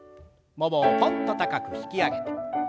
ももをとんっと高く引き上げて。